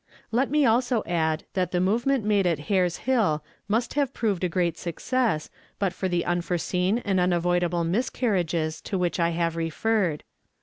"Let me also add that the movement made at Hare's Hill mast have proved a great success but for the unforeseen and unavoidable miscarriages to which I have referred.